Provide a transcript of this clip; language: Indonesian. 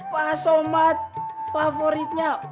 pak somad favoritnya